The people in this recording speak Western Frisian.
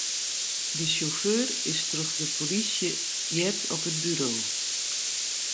De sjauffeur is troch de polysje heard op it buro.